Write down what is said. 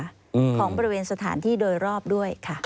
ของบริเวณสถานที่โดยรอบด้วยค่ะ